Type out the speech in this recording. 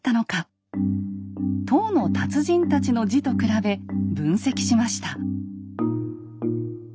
唐の達人たちの字と比べ分析しました。